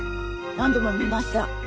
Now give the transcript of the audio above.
何度も見ました。